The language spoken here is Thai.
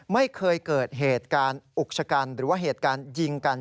ไม่เคยเกิดเหตุการณ์อุกชะกันหรือว่าเหตุการณ์ยิงกัน